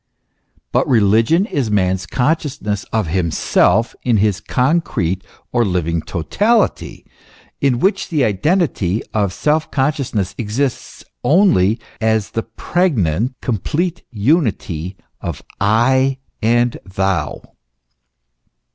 But religion is man's consciousness of himself in his concrete or living totality, in which the identity of self consciousness exists only as the pregnant, complete unity of I and thou.